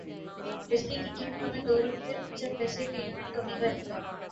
بجلی کی قیمتوں میں دو روپے انسٹھ پیسے فی یونٹ کمی کا امکان